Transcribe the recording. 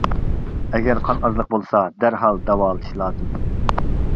ئەگەر قان ئازلىق بولسا دەرھال داۋالىتىش لازىم.